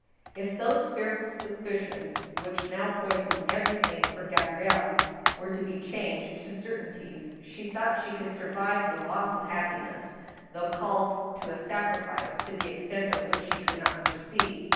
If those fearful suspicions which now poisoned everything for Gabrielle were to be changed to certainties, she thought she could survive the loss of happiness, though called to a sacrifice the extent 112 THE STEEL HAMMER. of which she could not foresee.